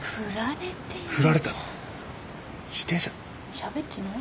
しゃべってない？